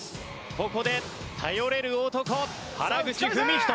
ここで頼れる男原口文仁。